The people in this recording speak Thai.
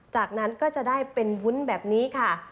จากนั้นก็จะได้เป็นวุ้นแบบนี้ค่ะ